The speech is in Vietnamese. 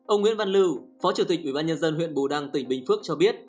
ông nguyễn văn lưu phó chủ tịch ubnd huyện bù đăng tỉnh bình phước cho biết